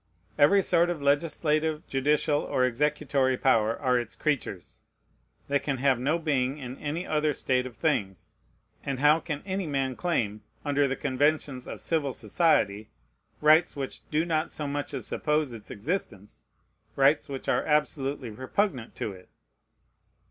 Every sort of legislative, judicial, or executory power are its creatures. They can have no being in any other state of things; and how can any man claim, under the conventions of civil society, rights which do not so much as suppose its existence, rights which are absolutely repugnant to it?